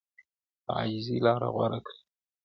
د عاجزۍ لاره غوره کړئ.